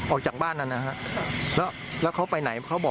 โอ้ครับ